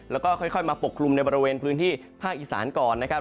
แล้วก็ค่อยมาปกคลุมในบริเวณพื้นที่ภาคอีสานก่อนนะครับ